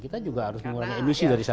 kita juga harus mengurangi emisi dari sana